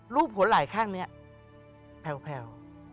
รูปขวนหลายข้างเนี่ยแพว